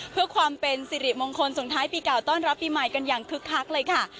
เพื่อความเป็นสิริมงคลส่งท้ายปีเก่าต้อนรับปีใหม่กันอย่างคึกคักเลยค่ะ